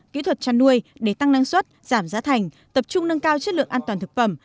kỹ thuật chăn nuôi để tăng năng suất giảm giá thành tập trung nâng cao chất lượng an toàn thực phẩm